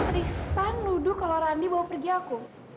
tristan nuduh kalau randi bawa pergi aku